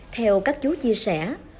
theo các chú chia sẻ